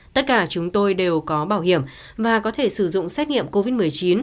tất cả chúng tôi đều có bảo hiểm và có thể sử dụng xét nghiệm covid một mươi chín